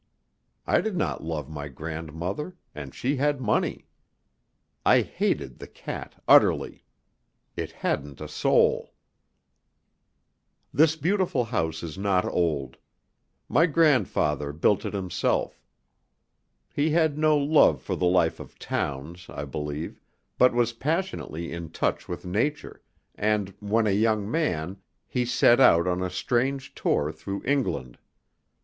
I did not love my grandmother, and she had money. I hated the cat utterly. It hadn't a sou! This beautiful house is not old. My grandfather built it himself. He had no love for the life of towns, I believe, but was passionately in touch with nature, and, when a young man, he set out on a strange tour through England.